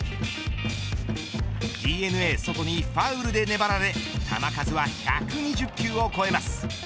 ＤｅＮＡソトにファウルでねばられ球数は１２０球を超えます。